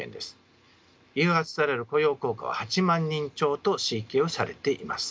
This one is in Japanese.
誘発される雇用効果は８万人超と推計をされています。